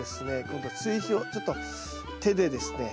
今度追肥をちょっと手でですね